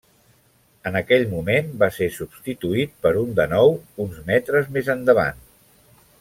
En aquell moment va ser substituït per un de nou uns metres més endavant.